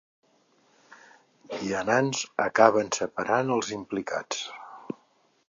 Vianants acaben separant els implicats.